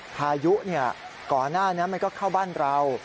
พายุก่อนหน้านั้นมันก็เข้าบ้านเรา